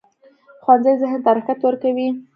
ښوونځی ذهن ته حرکت ورکوي